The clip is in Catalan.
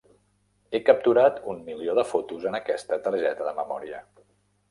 He capturat un milió de fotos en aquesta targeta de memòria.